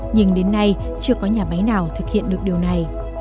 nhưng đến nay chưa có nhà máy nào thực hiện được điều này